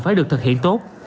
phải được thực hiện tốt